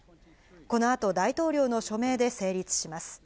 このあと、大統領の署名で成立します。